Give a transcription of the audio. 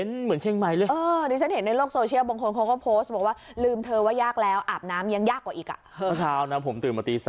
เมื่อเช้าตื่นมา๓นาที